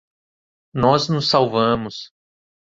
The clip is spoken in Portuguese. Nós nos salvamos!